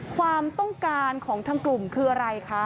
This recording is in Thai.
ความต้องการของทางกลุ่มคืออะไรคะ